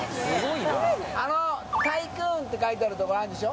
あの「Ｔｙｃｏｏｎ」って書いてあるとこあるでしょ？